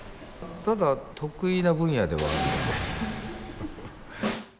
ただ得意な分野ではあるので。